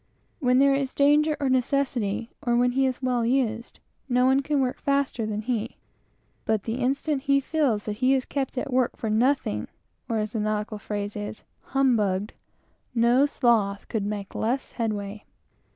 When there is danger, or necessity, or when he is well used, no one can work faster than he; but the instant he feels that he is kept at work for nothing, no sloth could make less headway.